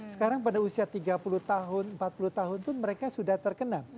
sekarang pada usia tiga puluh tahun empat puluh tahun pun mereka sudah terkena